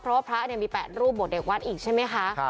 เพราะว่าพระมี๘รูปบวชเด็กวัดอีกใช่ไหมคะ